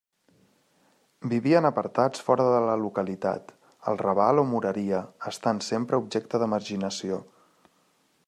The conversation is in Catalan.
Vivien apartats fora de la localitat, al raval o moreria, estant sempre objecte de marginació.